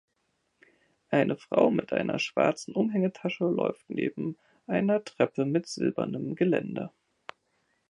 Eine Frau mit einer schwarzen Umhängetasche läuft neben einer Treppe mit silbernem Geländer.